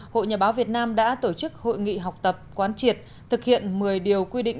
hội nhà báo việt nam đã tổ chức hội nghị học tập quán triệt thực hiện một mươi điều quy định